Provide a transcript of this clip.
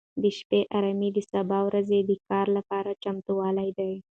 د شپې ارامي د سبا ورځې د کار لپاره چمتووالی دی.